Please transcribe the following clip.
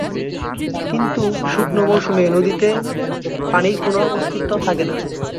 কিন্তু শুকনো মৌসুমে নদীতে পানির কোনো অস্তিত্ব থাকে না।